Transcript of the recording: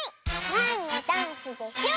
なんのダンスでしょう？